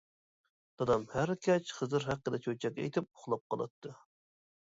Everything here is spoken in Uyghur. دادام ھەر كەچ خىزىر ھەققىدە چۆچەك ئېيتىپ ئۇخلاپ قالاتتى.